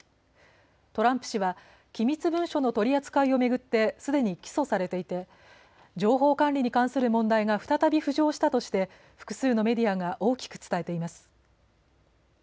トランプ氏は機密文書の取り扱いを巡ってすでに起訴されていて情報管理に関する問題が再び浮上したとして複数のメディアが大きく伝えています。